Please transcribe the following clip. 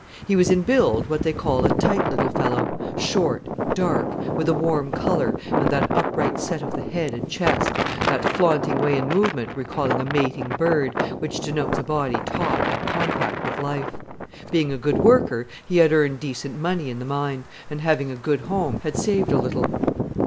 He was in build what they call a tight little fellow; short, dark, with a warm colour, and that upright set of the head and chest, that flaunting way in movement recalling a mating bird, which denotes a body taut and compact with life. Being a good worker he had earned decent money in the mine, and having a good home had saved a little.